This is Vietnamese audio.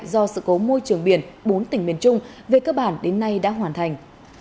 do sự cố môi trường biển bốn tỉnh miền trung về cơ bản đến nay đã hoàn thành